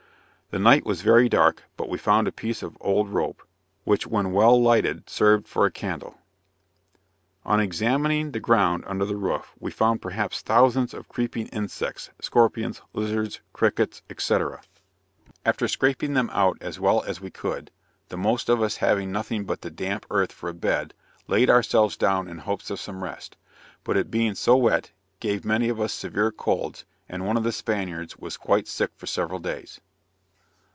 The night was very dark, but we found a piece of old rope, which when well lighted served for a candle. On examining the ground under the roof, we found perhaps thousands of creeping insects, scorpions, lizards, crickets, &c. After scraping them out as well as we could, the most of us having nothing but the damp earth for a bed, laid ourselves down in hopes of some rest; but it being so wet, gave many of us severe colds, and one of the Spaniards was quite sick for several days.